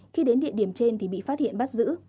khi đến địa điểm trên thì bị phát hiện bắt giữ